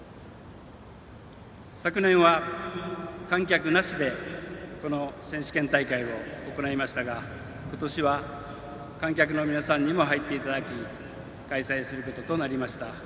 昨年は観客なしでこの選手権大会を行いましたが今年は、観客の皆さんにも入っていただき開催することとなりました。